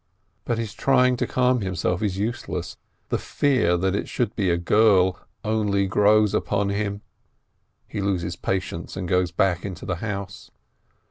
But his trying to calm himself is useless; the fear that it should be a girl only grows upon him. He loses patience, and goes back into the house.